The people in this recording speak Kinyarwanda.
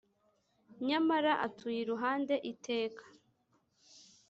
Nyamara adutuye iruhande iteka